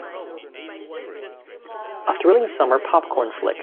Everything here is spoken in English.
A thrilling summer popcorn flick.